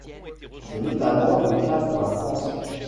C’est notamment le cas pour la France.